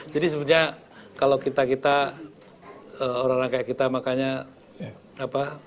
jadi sebenarnya kalau kita kita orang orang kayak kita makanya apa